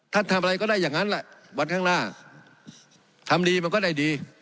ทำอะไรก็ได้อย่างนั้นแหละวันข้างหน้าทำดีมันก็ได้ดี